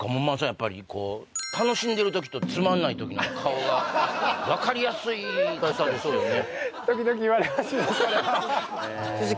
やっぱり楽しんでる時とつまんない時の顔が分かりやすいですよね